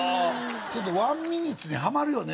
ちょっとワンミニッツにハマるよね